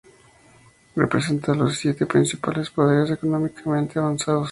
Representa los siete principales poderes económicamente avanzados.